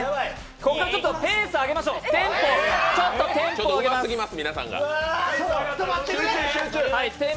ここからペース上げましょうちょっとテンポ上げます。